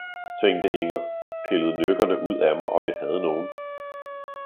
« tænkte Inger, »pillet Nykkerne ud af mig, om jeg havde Nogen.